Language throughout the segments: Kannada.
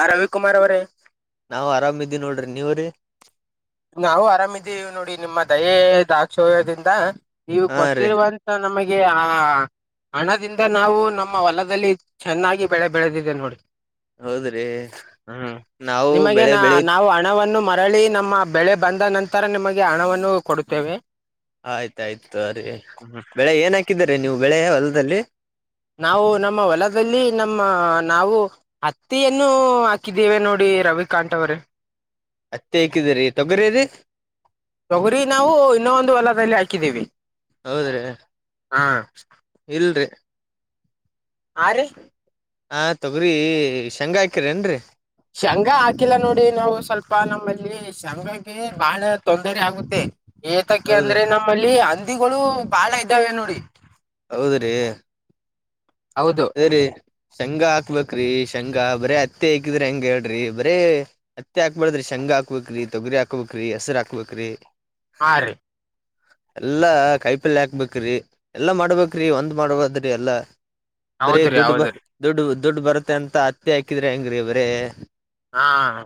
ಆ, ರವಿಕುಮಾರ್ ಅವರೇ? [inaudible] ನಾವು, ಆರಾಮಿದೀವಿ ನೋಡ್ರಿ! ನೀವ್ರೀ? [inaudible] ನಾವು, ಆರಾಮಿದ್ದೀವಿ ನೋಡಿ! ನಿಮ್ಮ ದಯೆ ದ್ರಾಕ್ಷೋರ್ಯದಿಂದ, ನೀವು ಹಾ ರೀ ಕೊಟ್ಟಿರುವಂತ? [inaudible] ನಮಗೆ, ಆ! [inaudible] ಹಣದಿಂದ ನಾವು ನಮ್ಮ ಹೊಲದಲ್ಲಿ ಚೆನ್ನಾಗಿ ಬೆಳೆ ಬೆಳೆದಿದೆ ನೋಡಿ. ಹೌದ್ರಿ ಹ್ಮ ನಾವು ನಿಮಗೆ ಬೆಳೆ ನ ಬೆಳಿ ನಾವು ಹಣವನ್ನು ಮಾ ರಳಿ ನಮ್ಮ ಬೆಳೆ ಬಂದ ನಂತರ ನಿಮಗೆ ಹಣವನ್ನು ಕೊಡುತ್ತೇವೆ. ಆಯ್ತಾಯ್ತು ರೀ ಬೆಳೆ ಏನ್ ಹಾಕಿದರಿ ನೀವು ಬೆಳೆ ಹೊಲದಲ್ಲಿ? ನಾವು ನಮ್ಮ ಹೊಲದಲ್ಲಿ ನಮ್ಮ ನಾವು ಹತ್ತಿಯನ್ನು ಹಾಕಿದ್ದೇವೆ ನೋಡಿ ರವಿಕಾಂತ್ ಅವ್ರೇ. ಹತ್ತಿ ಹಾಕಿದೀರಿ ತೊಗರಿ ರೀ? ತೊಗುರಿ ನಾವು ಇನ್ನೊಂದು ಹೊಲದಲ್ಲಿ ಹಾಕಿದೀವಿ ಹೌದ್ರಿ ಹ ಇಲ್ರಿ ಆ ರೀ ಹ ತೊಗ್ರಿ ಶಂಗ ಹಾಕಿರ್ ಏನ್ರಿ. ಶಂಗಾ ಹಾಕಿಲ್ಲ ನೋಡಿ ನಾವು ಸ್ವಲ್ಪ ನಮ್ಮಲ್ಲಿ ಶಂಗಾಗೆ ಬಹಳ ತೊಂದರೆ ಆಗುತ್ತೆ. ಏತಕೇ ಹೌದ್ರಿ ಅಂದ್ರೆ ನಮ್ಮಲ್ಲಿ ಹಂದಿಗಳು ಬಾಳ ಇದ್ದಾವೆ ನೋಡಿ. ಹೌದ್ರೀ ಹೌದು ಅದೇರಿ ಶಂಗಾ ಹಾಕ್ಬೇಕ್ರಿ ಶಂಗಾ ಬರೀ ಹತ್ತಿ ಹಾಕಿದ್ರೆ ಹೆಂಗ ಹೇಳ್ರಿ ಬರೇ ಹತ್ತೆ ಹಾಕ್ಬ್ಯಾಡ್ದ್ರಿ ಶೇಂಗ ಹಾಕ್ಬೇಕ್ರಿ ತೊಗರಿ ಹಾಕ್ಬೇಕ್ರಿ ಹೆಸರು ಹಾಕ್ಬೇಕ್ರಿ. ಹಾ ರೀ ಎಲ್ಲಾ ಕೈಪಲ್ಲೇ ಹಾಕ್ಬೇಕ್ರಿ ಎಲ್ಲಾ ಮಾಡ್ಬೇಕ್ರಿ ಒಂದ್ ಮಾಡಬಾರ್ದ್ರಿ ಎಲ್ಲಾ ಬರೀ ಹೌದ್ರಿ ದುಡ್ಡು ಬ ಹೌದ್ರಿ ದುಡ್ ದುಡ್ಡು ಬರತ್ತೆ ಅಂತ ಹತ್ತಿ ಹಾಕಿದ್ರಿ ಹೆಂಗ್ರಿ ಬರೇ ಹಾ ಹ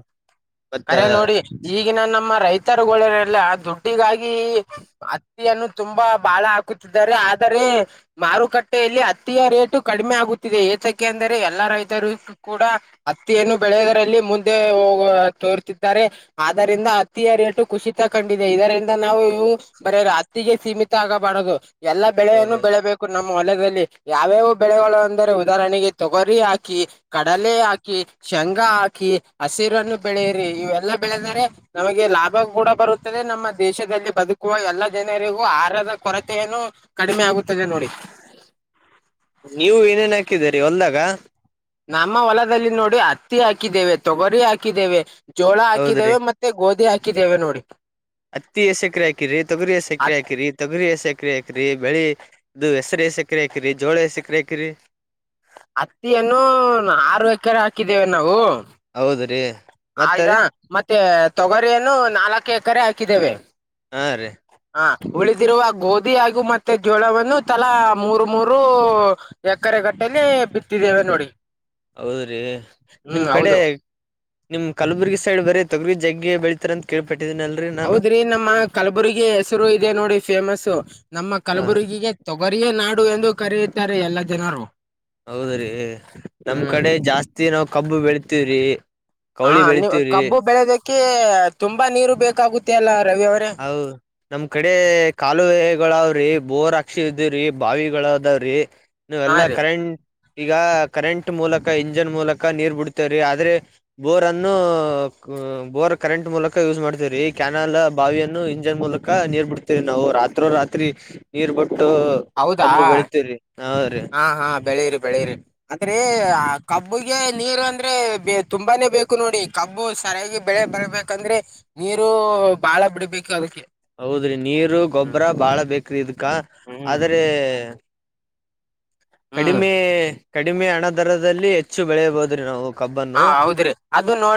ಮತ್ತ ಖರೆ ನೋಡಿ ಈಗಿನ ನಮ್ಮ ರೈತರುಗಳನೆಲ್ಲ ದುಡ್ಡಿಗಾಗಿ ಹತ್ತಿಯನ್ನು ತುಂಬಾ ಬಾಳ ಹಾಕುತ್ತಿದ್ದಾರೆ ಆದರೆ ಮಾರುಕಟ್ಟೆಯಲ್ಲಿ ಹತ್ತಿಯ ರೇಟು ಕಡಿಮೆ ಆಗುತ್ತಿದೆ ಏತಕ್ಕೆ ಅಂದರೆ ಎಲ್ಲಾ ರೈತರು ಕೂಡ ಅತ್ತಿಯನ್ನು ಬೆಳೆಯೋದರಲ್ಲಿ ಮುಂದೆ ಹೋಗ್ ತೋರ್ತಿದ್ದಾರೆ ಆದ್ದರಿಂದ ಹತ್ತಿಯ ರೇಟು ಖುಸಿತ ಕಂಡಿದೆ ಇದರಿಂದ ನಾವು ಇವ್ ಬರೇ ಅತ್ತಿಗೆ ಸೀಮಿತ ಆಗಬಾರದು ಎಲ್ಲಾ ಬೆಳೆಯನ್ನು ಬೆಳೆಬೇ ಕು ನಮ್ಮ ಹೊಲದಲ್ಲಿ ಯಾವ್ಯಾವ ಬೆಳೆಗಳು ಅಂದರೆ ಉದಾಹರಣೆಗೆ ತೊಗರಿ ಹಾಕಿ. ಕಡಲೆ ಹಾಕಿ ಶೇಂಗಾ ಹಾಕಿ ಹಸಿರನ್ನು ಬೆಳೆಯರಿ ಇವೆಲ್ಲಾ ಬೆಳೆದರೆ ನಮಗೆ ಲಾಭ ಕೂಡ ಬರುತ್ತದೆ ನಮ್ಮ ದೇಶದಲ್ಲಿ ಬದುಕುವ ಎಲ್ಲಾ ಜನರಿಗೂ ಆಹಾರದ ಕೊರತೆಯನ್ನು ಕಡಿಮೆ ಆಗುತ್ತದೆ ನೋಡಿ. ನೀವು ಏನೇನ್ ಹಾಕಿದ್ದೀರಿ ಹೊಲ್ದಾಗ ನಮ್ಮ ಹೊಲದಲ್ಲಿ ನೋಡಿ ಹತ್ತಿ ಹಾಕಿದ್ದೇವೆ ತೊಗರಿ ಹಾಕಿದ್ದೇವೆ ಜೋಳ ಹೌದ್ರಿ ಹಾಕಿದ್ದೇವೆ ಮ ಮತ್ತೆ ಗೋಧಿ ಹಾಕಿದ್ದೇವೆ ನೋಡಿ. ಹತ್ತಿ ಎಸ್ ಎಕರೆ ಹಾಕಿರಿ ತೊಗರಿ ಎಸೆಕ್ರೆ ಹತ್ ಹಾಕಿರಿ? ತೊಗರಿ ಏಸ್ ಎಕ್ರೆ ಹಾಕ್ರಿ ಬೆಳಿ ಇದು ಹೆಸ್ರ ಏಸ್ ಎಕ್ರೆ ಹಾಕಿರಿ ಜೋಳ ಏಸ್ ಎಕ್ರೆ ಹಾಕಿರಿ? ಹತ್ತಿಯನ್ನು ಆರು ಎಕರೆ ಹಾಕಿದ್ದೇವೆ ನಾವು. ಹೌದ್ರೀ ಆಯ್ದಾ ಮತ್ತೆ ತೊಗರಿಯನ್ನು ನಾಲಕ್ ಎಕರೆ ಹಾಕಿದ್ದೇವೆ. ಹಾ ರೀ ಹಾ ಉಳಿದಿರುವ ಗೋಧಿ ಹಾಗೂ ಮತ್ತೆ ಜೋಳವನ್ನು ತಲಾ ಮೂರು ಮೂರು ಎಕರೆ ಗಟ್ಟಲೆ ಬಿತ್ತಿದ್ದೇವೆ ನೋಡಿ. ಹೌದ್ರಿ ಹ್ಮ್ ನಿಮ್ ಕಡೆ ಹೌದು ನಿಮ್ ಕಲಬುರ್ಗಿ ಸೈಡ್ ಬರೆ ತೊಗರಿ ಜಗ್ಗಿ ಬೆಳಿತಾರೆ ಅಂತ ಕೇಳ್ಪಟ್ಟಿದಿನಲ್ ಹೌದ್ರಿ ನಮ್ಮ ಕಲಬುರ್ಗಿ ಹೆಸರು ಇದೆ ನೋಡಿ ಫೇಮಸ್ ನಮ್ಮ ಹ ಕಲಬುರ್ಗಿಗೆ ತೊಗರಿಯ ನಾಡು ಎಂದು ಕರೆಯುತ್ತಾರೆ ಎಲ್ಲಾ ಜನರು. ಹೌದ್ರಿ ನಮ್ ಹ್ಮ್ ಕಡೆ ಜಾಸ್ತಿ ನಾವ್ ಕಬ್ಬು ಬೆಳತವ್ರಿ. ಹಾ ನೀ ಕಬ್ಬು ಬೆಳೆದಕ್ಕೆ ತುಂಬಾ ನೀರು ಬೇಕಾಗುತ್ತೆ ಅಲ್ಲ ರವಿ ಅವರ. ಹ್ಮ ನಮ್ ಕಡೆ ಕಾಲುವೆಗಳವ್ರಿ ಬೋರಾಕ್ಸಿದಿವ್ರಿ ಬಾವಿಗಳದಾವ್ರಿ. ನೀ ಹಾ ಎಲ್ಲಾ ರೀ ಕರೆಂಟ್ ಈಗ ಕರೆಂಟ್ ಮೂಲಕ ಇಂಜನ್ ಮೂಲಕ ನೀರ್ ಬಿಡ್ತೇವ್ರಿ ಆದ್ರೆ. ಬೋರ್ ಅನ್ನು ಬೋರ್ ಕರೆಂಟ್ ಮೂಲಕ ಯೂಸ್ ಮಾಡ್ತೇವ್ರಿ ಕ್ಯಾನಲ್ ಬಾವಿಯನ್ನು ಇಂಜನ್ ಮೂಲಕ ನೀರ್ ಬಿಡ್ತೇವಿ ನಾವು ರಾತ್ರೋ ರಾತ್ರಿ ನೀರ್ ಬಿಟ್ಟು ಹೌದಾ ಕಬ್ಬು ಬೆಳಿತ್ತೀವ್ರಿ ಹೌದ್ರೀ. ಹಾ ಹಾ ಬೆಳೆಯರಿ ಬೆಳೆಯರಿ ಆದ್ರೆ ಕಬ್ಬಗೆ ನೀರು ಅಂದ್ರೆ ತುಂಬಾನೇ ಬೇಕು ನೋಡಿ ಕಬ್ಬು ಸರಿಯಾಗಿ ಬೆಳೆ ಬರ್ಬೇಕಂದ್ರೆ ನೀರು ಬಾಳ ಬಿಡ್ಬೇಕು ಅದಕ್ಕೆ. ಹೌದ್ರಿ ನೀರು ಹ್ಮ್ ಗೊಬ್ಬರ ಬಾಳ ಬೇಕ್ರಿ ಇದಕ್ಕ ಹ್ಮ್ ಆದ್ರೆ ಹ್ಮ್ ಕಡಿಮೆ ಕಡಿಮೆ ಹಣ ದರದಲ್ಲಿ ಹೆ ಹೆಚ್ಚು ಬೆಳೆಬೋದು ನಾವು ಕಬ್ಬನ್ನು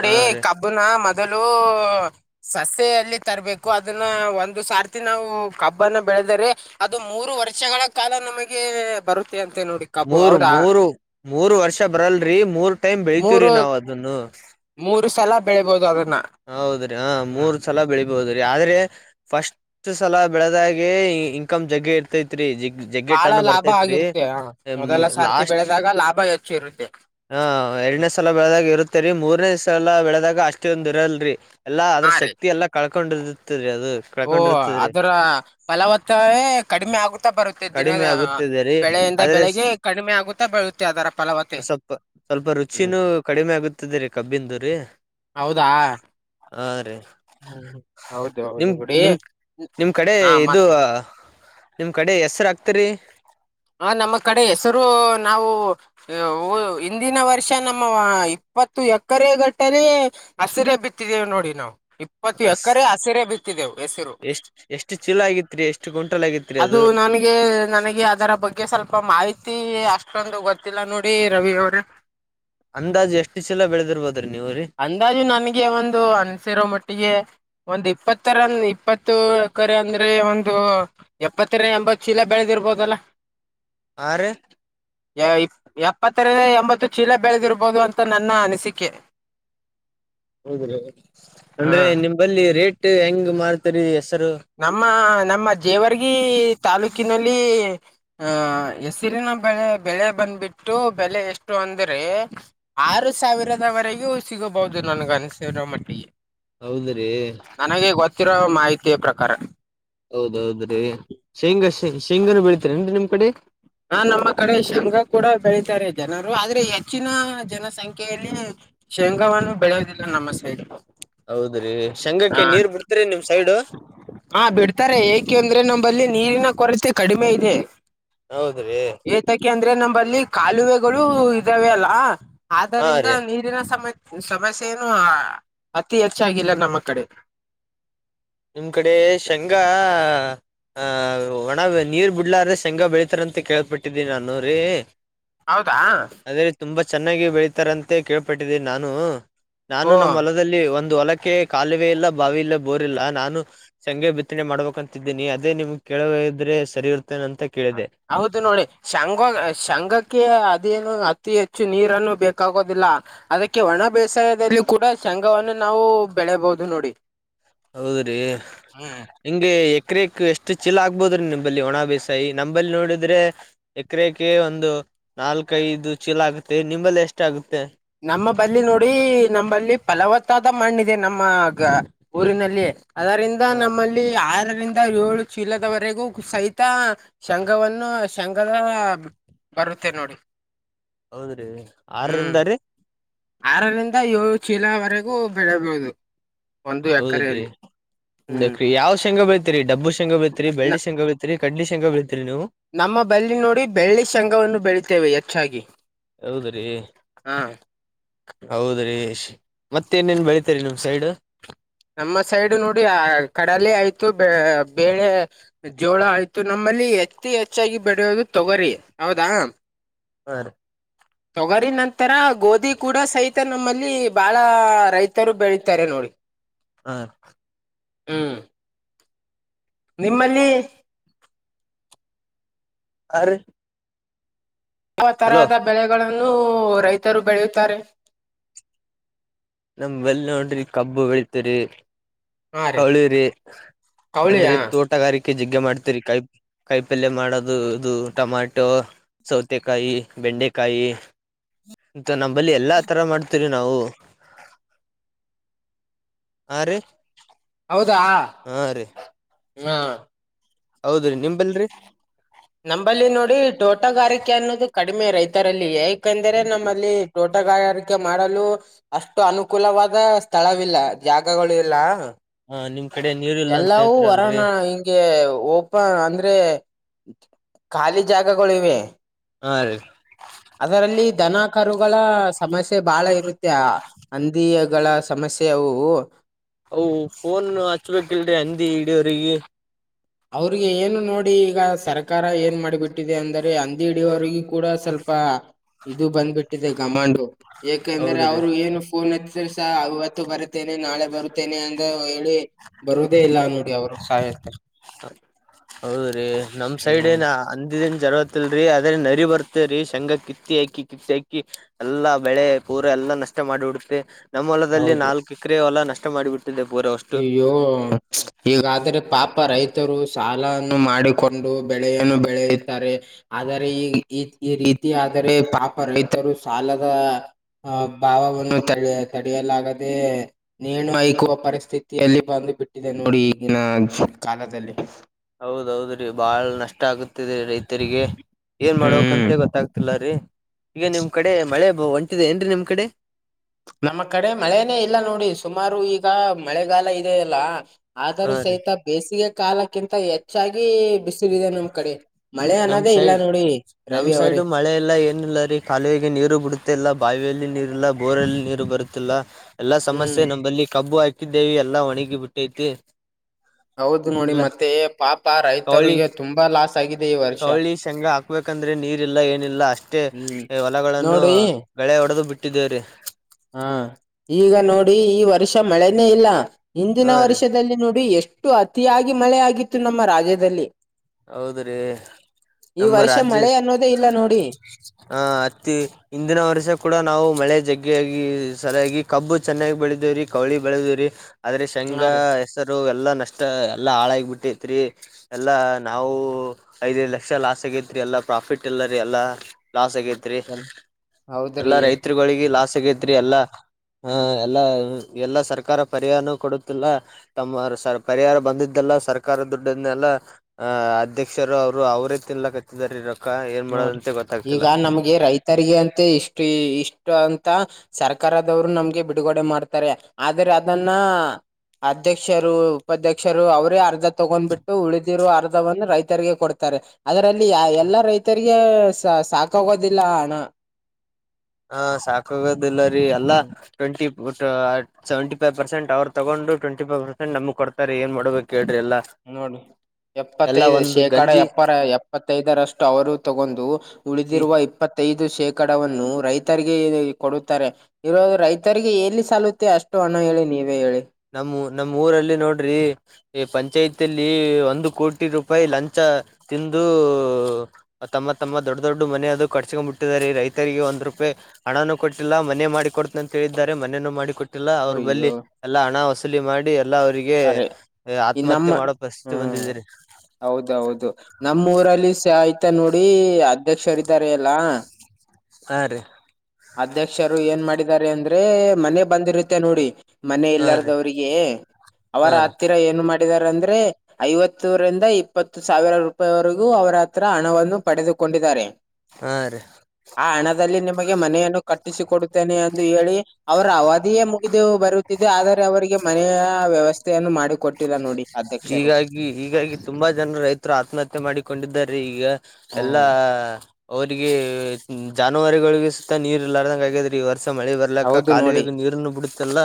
ಹಾ ರೀ. ಕಬ್ಬುನ ಮೊದಲು ಸಸ್ಯ ಅಲ್ಲಿ ತರ್ಬೇಕು ಅದನ್ನ ಒಂದು ಸಾರ್ತಿ ನಾವು ಕಬ್ಬನ ಬೆಳೆದರೆ ಅದು ಮೂರು ವರ್ಷಗಳ ಕಾಲ ನಮಗೆ ಬರುತ್ತೆ ಅಂತ ನೋಡಿ. ಕಬ್ಬು ಮೂರು ಹೌದಾ ಮೂರು ಮೂರು ವರ್ಷ ಬರಲ್ರರಿ ಮೂರು ಟೈಮ್ ಬೆಳತಿವ್ರಿ ಮೂರು ನಾವ್ ಅದನ್ನು. ಮೂರು ಸಲ ಬೆಳಿಬೋದು ಅದನ್ನ. ಹೌದ್ರಿ ಹ ಹ್ಮ್ ಮೂರು ಸಲ ಸಲ ಬೆಳಿಬಹುದು ರೀ ಆದ್ರೆ ಫಸ್ಟ್ ಸಲ ಬೆಳೆದಾಗೆ ಇನ್ಕಮ್ ಜಗ್ ಇ ಬರ್ತೈತ್ರಿ ಜಗ್ಗೆ ಜಗ್ಗೆ ಬಾಳ ಟನ್ ಲಾಭ ಬರ್ತೈತ್ರಿ ಆಗಿರುತ್ತೆ ಹ ಮೊದಲ ಸಾರ್ತಿ ಲಾಸ್ಟ್ ಬೆಳೆದಾಗ ಲಾಭ ಹೆಚ್ಚು ಇರುತ್ತೆ ಹಾ ಎರಡನೇ ಸಲ ಬೆಳೆದಾಗ ಇರುತ್ತೇರಿ ಮೂರ್ನೇ ಸಲ ಬೆಳೆದಾಗ ಅಷ್ಟೊಂದ್ ಇರಲ್ರಿ. ಎಲ್ಲಾ ಅದ್ರ ಹಾ ಶಕ್ತಿ ಎಲ್ಲ ಕಳ್ಕೊಂಡ ಇರುತದೆರಿ ಅದು. ಓಹ ಕಳ್ಕೊಂಡಿರ್ತದ್ರಿ ಅದರ ಫಲವತ್ತವೇ ಕಡಿಮೆ ಆಗುತ್ತಾ ಬರುತ್ತೆ ಕಡಿಮೆ ದಿನದ ಆಗುತ್ತಿದೆ ರೀ ಬೆಳೆಯಿಂದ ಆದ್ರೆ ಬೆಳಿಗ್ ಕಡಿಮೆ ಆಗುತ್ತಾ ಬೆಳುತ್ತೆ ಅದರ ಫಲವತೆ. ಸ್ವಲ್ಪ ಸ್ವಲ್ಪ ರುಚಿನೂ ಕಡಿಮೆ ಆಗುತ್ತೆ ರೀ ಕಬ್ಬಿಂದು ರೀ. ಹೌದಾ. ಹಾ ರೀ. ಹ್ಮ್ ಹೌದು ನಿಮ ಹೌದು ಬಿಡಿ ನಿಮ ನಿಮ್ ಕಡೆ ಹಾ ಇದು ಮತ್ತೆ ನಿಮ್ ಕಡೆ ಹೆಸ್ರು ಆಗ್ತರೀ. ಹ ನಮ್ಮ ಕಡೆ ಹೆಸರು ನಾವು ಹಿಂದಿನ ವರ್ಷ ನಮ್ಮ ವ ಇಪ್ಪತ್ತು ಎಕರೆಗಟ್ಟಲೆ ಹಸಿರ ಬಿತ್ತಿದೇವು ನೋಡಿ ನಾವು. ಇಪ್ಪತ್ತು ಎಸ್ ಎಕರೆ ಹಸಿರೆ ಬಿತ್ತಿದೆೇವು ಹೆಸರು. ಎಷ್ಟ್ ಎಷ್ಟು ಚೀಲ ಆಗಿತ್ರಿ ಎಷ್ಟು ಕ್ವಿಂಟಲ್ ಆಗಿತ್ರಿ ಅದು ನನಗೆ ನನಗೆ ಅ ಬಗ್ಗೆ ಸ್ವಲ್ಪ ಮಾಹಿತಿ ಅಷ್ಟೊಂದು ಗೊತ್ತಿಲ್ಲ ನೋಡಿ ರವಿ ಅವರೆ. ಅಂದಾಜ್ ಎಷ್ಟ್ ಚೀಲ ಬೆಳದಿರ್ಬೋದ್ರಿ ನೀವ್ರೀ. ಅಂದಾಜು ನನ್ಗೆ ಒಂದು ಅನ್ಸಿರೋ ಮಟ್ಟಿಗೆ. ಒಂದು ಇಪ್ಪತ್ತರನ್ ಇಪ್ಪತ್ತು ಎಕರೆ ಅಂದ್ರೆ ಒಂದು ಎಪ್ಪತ್ತಅರೆ ಎಂಬತ್ ಚೀಲ ಬೆಳೆದಿರ್ಬೋದಲ್ಲಾ. ಹಾ ರೀ. ಇ ಎಪ್ಪತ್ತರಿಂದ ಎಂಬತ್ತು ಚೀಲ ಬೆಳೆದಿರ್ಬಹುದು ಅಂತ ನನ್ನ ಅನಿಸಿಕೆ. ಹೌದಿ ಅಂದ್ರೆ ಹಾ ನಿಂಬಲ್ಲಿ ರೇಟ್ ಹೆಂಗ್ ಮಾಡ್ತರಿ ಹೆಸರು ನಮ್ಮ ನಮ್ಮ ಜೇವರ್ಗಿ ತಾಲೂಕಿನಲ್ಲಿ ಆಹ ಹೆಸರಿನ ಬೆಳೆ ಬೆಳೆ ಬಂದ್ಬಿಟ್ಟು ಬೆಲೆ ಎಷ್ಟು ಅಂದ್ರೆ ಆರು ಸಾವಿರದವರೆಗೂ ಸಿಗಬಹುದು ನನಗನಸರ ಮಟ್ಟಿಗೆ ಹೌದ್ರೀ ನನಗೆ ಗೊತ್ತಿರೋ ಮಾಹಿತಿಯ ಪ್ರಕಾರ ಹೌದೌದ್ರೀ ಶೇಂಗಾ ಶೇಂಗಾನ ಬೆಳೆತೀರಿ ಇಯನ್ರಿ ನಿಮ್ ಕಡೆ. ಹಾ ನಮ್ಮ ಕಡೆ ಶೇಂಗಾಕೂಡ ಬೆಳೀತಾರೆ ಜನರು ಆದ್ರೆ ಹೆಚ್ಚಿನ ಜನಸಂಖ್ಯೆಯಲ್ಲಿ ಶೇಂಗಾವವನ್ನು ಬೆಳೆಯೋದಿಲ್ಲ ನಮ್ಮ ಸೈಡು. ಹೌದ್ರಿ ಶಂಗಾಕ್ಕೆ ನೀರ್ ಬಿಡ್ತರಿ ನಿಮ್ ಸೈಡ್. ಹಾ ಬಿಡ್ತಾರೆ ಏಕೆ ಅಂದ್ರೆ ನಂಬಲ್ಲಿ ನೀರಿನ ಕೊರತೆ ಕಡಿಮೆ ಇದೆ. ಹೌದ್ರಿ. ಏತಕ ಅಂದ್ರೆ ನಂಬಲ್ಲಿ ಕಾಲುವೆಗಳು ಇದಾವೆ ಅಲ್ಲ ಹಾ ಆದ್ದರಿಂದ ರೀ ನೀರಿನ ಸಮಯ ಸಮಸ್ಯೆ ಏನು ಅತಿ ಹೆಚ್ಚಾಗಿಲ್ಲ ನಮ್ಮ ಕಡೆ. ನಿಮ್ಮ್ ಕಡೆ ಶೇಂಗಾ ಆಹ ಒಣ ನೀರ್ ಬಿಡ್ಲಾದ್ರೆ ಶೆಂಗ ಬೆಳೀತಾರಂತ ಕೇಳಳ್ ಬಿಟ್ಟಿದೀನಿ ನಾನ್ರೀ ಹೌದಾ. ಅದೇಲ್ಲಿ ತುಂಬಾ ಚೆನ್ನಾಗಿ ಬೆಳತಾರ ಅಂತೆ ಕೇಳ್ಪಟ್ಟಿದ್ದೀನಿ ನಾನು ನಾನು ಓ ನಮ್ಮ ಹೊಲ ಒಂದು ಹೊಲಕೆ ಕಾಲುವೆ ಇಲ್ಲ ಬಾವಿ ಇಲ್ಲ ಬೋರ್ಲ್ಲ. ನಾನು ಸಂಗೆ ಬಿತ್ತನೆ ಮಾಡ್ಬೇಕಂತಿದ್ದೀನಿ ಅದೇ ನಿಮ್ಗೆ ಕೇಳಿದ್ರೆ ಸರಿ ಇರ್ತ್ತೇನೆ ಅಂತ. ಹಾ ಕೇಳಿದೆ ಹೌದು ನೋಡಿ ಶಂಗ ಶಂಗಕ್ಕೆ ಅದೇನು ಅತಿ ಹೆಚ್ಚು ನೀರನ್ನು ಬೇಕಾಗೋದಿಲ್ಲ. ಅದಕ್ಕೆ ಒಣ ಬೇಸಾಯದಲ್ಲಿ ಕೂಡ ಸಂಘವನ್ನು ನಾವು ಬೆಳೆಯಬಹುದು ನೋಡಿ. ಹೌದ್ರಿ. ಹ್ಮ್ ಹಿಂಗೆ ಎಕರೆಕ ಎಷ್ಟು ಚೀಲ ಆಗ್ಬೋದ್ರೀ ನಿಂಬಲ್ಲಿ ಒಣ ಬೇಸಾಯ ನಂಬಲ್ಲಿ ನೋಡಿದ್ರೆ. ಎಕರೆಕ ಒಂದು ನಾಲ್ಕೈದು ಚೀಲ ಆಗುತ್ತೆ ನಿಂಬಲ್ಲಿ ಎಷ್ಟ ಆಗುತ್ತೆ. ನಮ್ಮ ಬಲ್ಲಿನೋಡಿ ನಮ್ಮಲ್ಲಿ ಫಲವತ್ತಾದ ಮಣ್ಣಿದೆ ನಮ್ಮಗ ಊರಿನಲ್ಲಿಯ ಅದರಿಂದ ಹ ನಮ್ಮಲ್ಲಿ ಲ್ಲಿ ಆರರಿಂದ ಏಳು ಚೀಲದವರೆಗೂ ಸಹಿತ ಶಘವನ್ನು ಶಘದ ಬರುತ್ತೆ ನೋಡಿ ಹೌದ್ರಿ ಹ್ಮ್ ಆರರಿಂದ ರೀ. ಆರರಿಂದ ಏಳು ಚೀಲವರೆಗೂ ಬೆಳೆಯಬಹುದು. ಹ್ಮ್ ಹೌದ್ರೀರೀ ಯಾವ ಶಂಗ ಬೈತರಿ ಡಬ್ಬು ಶೇಂಗ ಬೆಳಿತೀರಿ ಬೆಳ್ಳಿ ನ- ಶೆಂಗ ಬೆಳಿತೀರಿ. ರಿ ಕಂಡಡಿಷನ್ ಬೀತತಿರಿ ನೀವು. ನಮ್ಮ ಬಲ್ಲಿ ನೋಡಿ ಬೆಳ್ಳಿ ಶಂಗವನ್ನು ಬೆಳೀತೇವೆ ಹೆಚ್ಚಾಗಿ. ಹೌದ್ರಿ. ಹಾ ಹೌದ್ರೀ ಮತ್ತ ನೇನ್ ಬೆಳತರಿ ನಿಮ್ ಸೈಡ್. ನಮ್ಮ ಸೈಡ್ ನೋಡಿ ಆ ಕಡಲೆ ಆಯ್ತು ಬ ಬೇಳೆ ಜೋಳ ಆಯ್ತು ನಮ್ಮಲ್ಲಿ ಹೆಚ್ಚು ಹೆಚ್ಚಾಗಿ ಬೆಡೆಯೋದು ತೊಗರಿ ಹೌದಾ. ಹ ತೊಗರಿ ನಂತರ ಗೋಧಿ ಕೂಡ ಸಹಿತ ನಮ್ಮಲ್ಲಿ ಬಾಳ ರೈತರು ಬೆಳೀತಾರೆ ನೋಡಿ. ಹ್ಮ ಹ್ಮ್ ನಿಮ್ಮಲ್ಲಿ ಆ ರೀ ಆ ಹಲೋ ತರಹದ ಬೆಳೆಗಳನ್ನು ರೈತರು ಬೆಳೆಯುತ್ತಾರೆ. ನಮ್ ಬೆಲ್ ನೋಡ್ರಿ ಕಬ್ಬು ಬೆಳಿತರಿ [unintelligible] ಹಾ ರೀ ಕೌಳಿರಿ ಅಂದ್ರೆ ಕವಳಿಯಾ ತೋಟಗಾರಿಕೆ ಜಗ್ಗ ಮಾಡ್ತಿರಿ ಕೈ ಕಾಯಿ ಪಲ್ಯ ಮಾಡೋದು ಇದು ಟೊಮ್ಯಾಟೊ ಸೌತೆಕಾಯಿ ಬೆಂಡೆಕಾಯಿ ಅಂತ ನಂಬಲ್ಲಿ ಎಲ್ಲಾ ತರ ಮಾಡ್ತಿವಿರಿ ನಾವು ಹಾ, ರಿ ಹೌದಾ, ಹಾ ಹೌದ್ರೀ [unintelligible] ನಿಂಬಲ್ರರಿ ನಂಬಲ್ಲಿ ನೋಡಿ ತೋಟಗಾರಿಕೆ ಅನ್ನೋದು ಕಡಿಮೆ ರೈತರಲ್ಲಿ ಏಕಂದ್ರೆ ನಮ್ಮಲ್ಲಿ ತೋಟಗಾರಿಕೆ ಮಾಡಲು ಅಷ್ಟು ಅನುಕೂಲವಾದ ಸ್ಥಳವಿಲ್ಲ ಜಾಗಗಳು ಇಲ್ಲ ಹಾ, ನಿಮ್ ಕಡೆ ನೀರು ಎಲ್ಲಾವೂ ಒರೋಣ [unintelligible] ಓಪನ್ ಅಂದ್ರೆ ಖಾಲಿ ಜಾಗಗಳು ಇವೆ ಹಾ, ರೀ ಅದರಲ್ಲಿ ದನ ಕರುಗಳ ಸಮಸ್ಯೆ ಬಾಳ ಇರುತ್ತೆ. ಹಂದಿಗಳ ಸಮಸ್ಯೆಅವು ಫೋನ್ ಹಚ್ಬೇಕಿಲ್ರೀ ಹಂದಿ ಇಡಿಯೋರಿಗೆ. ಅವ್ರಿಗೆ ಏನು ನೋಡಿ ಈಗ ಸರ್ಕಾರ ಏನ್ ಮಾಡಿಬಿಟ್ಟಿದೆ ಅಂದರೆ ಹಂದಿಹಿಡಿಯವರಿಗ ಕೂಡ ಸ್ವಲ್ಪ ಇದು ಬಂದ್ಬಿಟ್ಟಿದೆ ಕಮಾಂಡು ಏಕೆಂದ್ರೆ ಹೌದ್ರಿ ಅವರು ಏನು ಫೋನ್ತ್ಸ ಅಚ್ಚದರುಸಹಾ ಇವತ್ತು ಬರುತ್ತೇನೆ. ನಾಳೆ ಬರುತ್ತೇನೆ ಅಂತ ಹೇಳಿ ಬರುದೇ ಇಲ್ಲ ಡಿ ಅವ್ರು ಸಹಾಯತಾರೆ [inaudible] [unintelligible] ಹೌದ್ರೀ ನಮ್ ಸೈಡ್ ಹ್ಮ್ ಏನ ಅಂದಿದನ್ ಜರಗತ್ತಲ್ರರಿ ಅದ್ರೆ ನರಿ ಬರ್ತೇ್ರೀ ಶಂಗಾ ಕಿತ್ತಿ ಹಾಕಿ ಕಿತ್ತಿ ಹಾಕಿ [unintelligible] ಎಲ್ಲಾ ಬೆಳೆ ಪೂರಾ ಎಲ್ಲಾ ನಷ್ಟ ಮಾಡಿಬಿಡತ್ತೆ. ನಮ್ಮ ಹೊಲದಲ್ಲಿ ಹೌದು ನಾಲ್ಕ ಎಕರೆೆಯ ಹೊಲ ನಷ್ಟ ಮಾಡಿಬಿಟ್ಟಿದೆ ಪೂರ ಅಯ್ಯೋ! ಹೀಗಾದ್ರೆ ಪಾಪ ರೈತರು ಸಾಲನ್ನು ಮಾಡಿಕೊಂಡು ಬೆಳೆಯನ್ನು ಬೆಳೆಯುವರಿದ್ದಾರೆ. ಆದರೆ ಈ ಈ ಈ ರೀತಿ ಆದರೆ ಪಾಪ ರೈತರು ಸಾಲದ ಭಾವವನ್ನು ತಡ ತಡೆಯಲಾಗದೆ ನೇಣು ಹಾಕಿವ ಪರಿಸ್ಥಿತಿ ಯಲ್ಲಿ ಬಂದು ಬಿಟ್ಟಿದೆ ನೋಡಿ ಈಗಿನ ಕಾಲದಲ್ಲಿ. ಹೌದೌದ್ರಿ ಬಾಳ ನಷ್ಟ ಆಗತಿದೆ ರೈತರಿಗೆ ಏನ್ ಹ್ಮ್ ಮಾಡಬೇಕಂತ ಗೊತ್ತಾಗ್ತಿಲ್ಲರೀ ಈಗ ನಿಮ್ ಕಡೆ ಮಳೆ ಒಂಟಿದೆ ಏನ್ರೀ ನಿಮ್ ಕಡೆ ನಮ್ಮ ಕಡೆ ಮಳೆನೇ ಇಲ್ಲ ನೋಡಿ ಸುಮಾರು ಈಗ ಮಳೆಗಾಲ ಇದೆ ಅಲ್ಲಾ ಆದರೂ ಹಾ ರೀ ಸಹಿತ ಬೇಸಿಗೆ ಕಾಲಕ್ಕಿಂತ ಹೆಚ್ಚಾಗಿ ಬಿಸಿಲಿದೆ ನಮ್ ಕಡೆ ಮಳೆ ಅನ್ನೋದೇ ಇಲ್ಲ ನೋಡಿ ರವಿ ಅವ್ರೇ ಮಳೆಲ್ಲ [inaudible] ಏನಿಲ್ಲ ರಿ ಕಾಲುವೆಗೆ ನೀರು ಬಿಡುತ್ತಿಲ್ಲ ಬಾವಿಯಲ್ಲಿ ನೀರ್ ಇಲ್ಲ, ಬೋರಲ್ಲಿ ನೀರು ಬರುತ್ತಿಲ್ಲಾ. ಎಲ್ಲಾ ಹ್ಮ್ ಸಮಸ್ಯೆ ನಂಬಲ್ಲಿ ಕಬ್ಬು ಹಾಕಿದ್ದೇವಿ ಎಲ್ಲಾ ಒಣಗಿ ಬಿಟ್ಟೈತಿ. ಹೌದು ನೋಡಿ ಇಲ್ಲ ಮತ್ತೆ ಪಾಪ ಕವಳಿ ರೈತರಿಗೆ ತುಂಬಾ ಲಾಸ್ ಆಗಿದೆ ಈ ವರ್ಷ. ಶೆಂಗಾ ಹಾಕ್ಬೇಕಂದ್ರೆ ನೀರಿಲ್ಲಾಏನಿಲ್ಲ ಅಷ್ಟೇ ಹ್ಮ್ ಹೊಲಗಳನ್ನು ನೋಡಿ ಗಳೆ ಹೊಡದು ಬಿಟ್ಟಿದ್ದೇವ್ರೀ ಹಾ ಈಗ ನೋಡಿ ಈ ವರ್ಷ ಮಳೆನೇ ಇಲ್ಲ ಹಿಂದಿನ ಹಾ ರೀ ವರ್ಷದಲ್ಲಿ ನೋಡಿ ಎಷ್ಟು ಅಷ್ಟು ಅತಿಯಾಗಿ ಮಳೆ ಆಗಿತ್ತು ನಮ್ಮ ರಾಜ್ಯದಲ್ಲಿ. ಹೌದ್ರಿ ಈ ನಮ್ಮ ವರ್ಷ ಮಳೆ ಅನ್ನೋದೇ ಇಲ್ಲ ನೋಡಿ ಹಾ ಹತ್ತ [inaudible] ಹಿಂದಿನ ವರ್ಷ ಕೂಡ ನಾವು ಮಳೆ ಜಗ್ಗೆಯಾಗಿ ಸರಿಯಾಗಿ ಕಬ್ಬು ಚೆನ್ನಾಗಿ ಬೆಳದೇವ್ರರಿ ಕೌಳಿ ಬೆಳೆದವ್ರರಿ. ಆದ್ರರೆ ಹಾ ಶಂಗಾ ರೀ ಹೆಸರು ಎಲ್ಲ ನಷ್ಟ ಎಲ್ಲ ಹಾಳಾಗಿಬಿಟ್ಟೆತ್ರಿ ಎಲ್ಲ ನಾವು ಐದೈದ ಲಕ್ಷ ಲಾಸ್ ಆಗೇತ್ ಎಲ್ಲಾ ಪ್ರಾಫಿಟ್ ಎಲ್ಲ ರೀ ಎಲ್ಲಾ ಲಾಸ್ ಆಗೇತ್ರಿ ತ್ರೆ [inaudible] ಎಲ್ಲಾ ಹೌದ್ರಿ ರೈತರುಗಳಿಗೆ ಲಾಸ್ ಆಗೈತ್ರಿ ಎಲ್ಲಾ ಹ ಎಲ್ಲ ಎಲ್ಲ ಸರ್ಕಾರ ಪರಿಹಾರನೂ ಕೊಡಗಿಲ್ಲ ತಮ್ಮ ಸ ಪರಿಹಾರ ಬಂದಿದ್ದಲ್ಲ ಸರ್ಕಾರ ದುಡ್ಡನ್ನೆಲ್ಲ ಅ ಅಧ್ಯಕ್ಷರು ಅವ್ರು ಅವ್ರೇ ತಿಲ್ಲಕತ್ತಿದಿದ್ದಾರೆ ರೊಕ್ಕ ಏನ್ ಮಾಡೋದಂತೆ ಗೊತ್ತಾಗ್ತಿಲ್ಲ ಎ ರೈತರಿಗೆ ಅಂತೆ ಇಷ್ಟು ಇಷ್ಟು ಅಂತಾ ಸರ್ಕಾರದವ್ರು ನಮ್ಗೆ ಬಿಡುಗಡೆ ಮಾಡ್ತಾರೆ ಆದ್ರೆ ಅದನ್ನ ಅಧ್ಯಕ್ಷರು ಉಪಾಧ್ಯಕ್ಷರು ಅವರೇ ಅರ್ಧ ತಗೊಂಡ್ಬಿಟ್ಟು ಉಳಿದಿರುವೋ ಅರ್ಧವನ್ನು ರೈತರಿಗೆ ಕೊಡ್ತಾರೆ ಅದರಲ್ಲಿ ಎಲ್ಲಾ ರೈತರಿಗೆ ಸಾಕಾಗೋದಿಲ್ಲ ಹಣ ಹಾ ಸಾಕೋಗುದಿಲ್ಲರಿ ಯಲ್ಲಾ ಹ್ಮ್ ಟ್ವೆಂಟಿ ಓಟ ಸೆವೆಂಟಿ ಫೈವ ಪರ್ಸೆಂಟ್ ಅವರು ತಗೊಂಡ ಟ್ಂಟಿ ಫೈವ ಪರ್ಸೆಂಟ್ನ ನಮಗ ಕೊಡ್ತಾರೆ ಏನ್ ಮಾಡಬೇಕ ಹೇಳ್ರಿ ಎಲ್ಲ ನೋಡು [inaudible] ಎಪ್ಪತ್ತೈದು ಶೇಕಡ ಗಂಜಿ ಎಪ್ಪರ ಎಪ್ಪತ್ತೈದರಷ್ಟು ಅವರು ತಗೊಂದು ಈ ಉಳಿದಿರುವ ಇಪ್ಪತ್ತೈದು ಶೇಕಡವನ್ನು ರೈತರಿಗೆ ಕೊಡುತ್ತಾರೆ ಇರೋದು ರೈತರಿಗೆ ಎಲ್ಲಿ ಸಲ್ಲುತ್ತೆ ಅಷ್ಟು ಹಣ ಹೇಳಿ ನೀವೇ ಹೇಳಿ ನಮ್ಮ ನಮ್ಮ್ ಊರಲ್ಲಿ ನೋಡ್ರಿ ಎ ಪಂಚಾಯಿತ ಅಲ್ಲಿ ಒಂದು ಕೋಟಿ ರೂಪಾಯಿ ಲಂಚ ತಿಂದು ತಮ್ಮ ತಮ್ಮ ದೊಡ್ಡ ದೊಡ್ಡಮನೆ ಅದು ಕಟ್ಟಸಕೊಂಡ ಬಿಟ್ಟಿದಿದ್ದಾರೆ ರೈತರಿಗೆ ಒಂದ್ ರೂಪಾಯಿ ಹಣನೂ ಕೊಟ್ಟಿಲ್ಲ ಮನೆೇ ಮಾಡಿ ಕೊಡ್ತನ ಅಂತ ಹೇಳಿದ್ದಾರೆ ಮನೇನೂ ಮಾಡಿ ಕೊಟ್ಟ ಯಲ್ಲಾ ಅವ್ರ ಬಲ್ಲಿ ಅಯ್ಯೋ ಎಲ್ಲಾ ಹಣ ವಸೂಲಿ ಮಾಡಿ ಎಲ್ಲಾ ಅವರಿಗೆ ಕರೆ ಗೆ ಆತ್ಮಹತ್ಯೆ ಮಾಡೋ ಪರಿಸ್ಥಿತಿ ಬಂದಿದ್ದಾರೆ ಹೌದೌ ಹೌದ ನಮ್ಮ ಊರಲ್ಲಿ ಶಾ ಆಯ್ತಾ ನೋಡಿ ಅಧ್ಯಕ್ಷರ ಇದ್ದಾರೆ ಎಲ್ಲ ಹಾ ರೀ ಅಧ್ಯಕ್ಷರು ಏನ್ ಮಾಡಿದ್ದಾರೆ ಅಂದ್ರೆ ಮನೆ ಬಂದಿರುತ್ತೆ ನೋಡಿ ಮನೆ ಹಾ ರೀ ಇಲ್ಲಾರ್ದವರಿಗೆ ಹಾ ಅವರ ರೀ ಹತ್ತಿರ ಏನು ಮಾಡಿದಾರಂದ್ರೆ ಐವತ್ತುರಿಂದ ಇಪ್ಪತ್ತು ಸಾವಿರ ರೂಪಾಯಿವರೆಗೂ ಅವರ ಹತ್ರ ಹಣವನ್ನು ಪಡೆದುಕೊಂಡಿದ್ದಾರೆ. ಹಾರಿ ಆ ಹಣದಲ್ಲಿ ನಿಮಗೆ ಮನೆಯನ್ನು ಕಟ್ಟಿಸಿ ಕೊಡುತ್ತೇನೆ ಎಂದು ಹೇಳಿ ಅವ್ರ ಅವಧಿಯೇ ಮುಗಿದು ಬರುತ್ತಿದೆ ಆದರೆ ಅವರಿಗೆ ಮನೆಯ ವ್ಯವಸ್ಥೆಯನ್ನು ಮಾಡಿಕ ಕೊಟ್ಟಿಲ್ಲ ನೋಡಿ ಅಧ್ಯಕ್ಷರು ಹೀಗಾಗಿ ಹೀಗಾಗಿ ತುಂಬಾ ಜನ ರೈತರು ಆತ್ಮಹತ್ಯೆ ಮಾಡಿಕೊಂಡಿದ್ದಾರೆ ಈಗ ಎಲ್ಲಾ ಹ್ಮ್ [inaudible] ಅವರಿಗೆ [unintelligible] ಜಾನುವಾರಾರಿಗಳಿಗೆ ಸುತ್ತ ನೀರ್ ಇಲ್ಲಾರದಂಗ ಆಗಾದ್ರಿ ಈ ವರ್ಷ ಮಳೆ ಬರ್ ಇಲಕ್ಕ ಹೌದು ನೋಡಿ ಕಾಲುವೆೆಗೆ ನೀರನ್ನು ಬಿಡುತ್ತಿಲ್ಲ